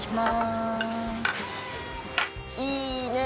「いいねえ